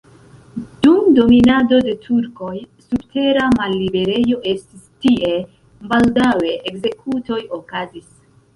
Dum dominado de turkoj subtera malliberejo estis tie, baldaŭe ekzekutoj okazis.